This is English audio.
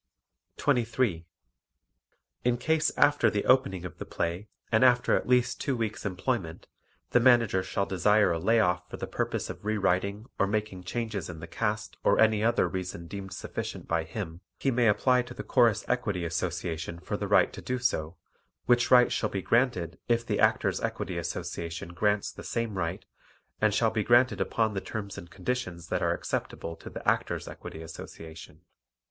23. In case after the opening of the play and after at least two weeks' employment the Manager shall desire a lay off for the purpose of re writing or making changes in the cast or any other reason deemed sufficient by him, he may apply to the Chorus Equity Association for the right to do so, which right shall be granted if the Actors' Equity Association grants the same right, and shall be granted upon the terms and conditions that are acceptable to the Actors' Equity Association.